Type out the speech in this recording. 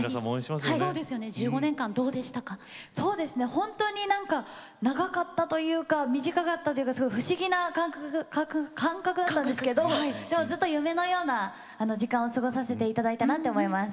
本当になんか長かったというか短かったというか不思議な感覚だったんですけどずっと夢のような時間を過ごさせていただいたなと思います。